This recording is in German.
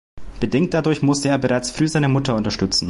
Bedingt dadurch musste er bereits früh seine Mutter unterstützen.